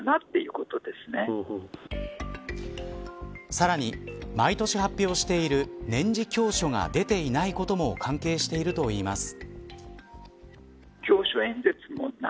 さらに毎年出発表している年次教書が出ていないことも関係しているといいます。